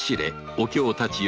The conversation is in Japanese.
お京たちよ